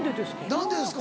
何でですか？